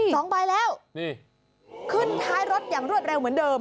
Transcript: โอ้โฮสองใบแล้วขึ้นท้ายรถอย่างเรือดแรงเหมือนเดิม